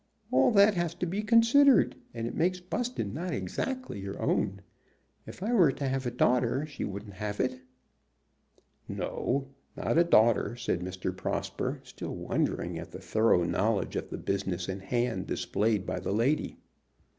"All that has to be considered, and it makes Buston not exactly your own. If I were to have a daughter she wouldn't have it." "No, not a daughter," said Mr. Prosper, still wondering at the thorough knowledge of the business in hand displayed by the lady.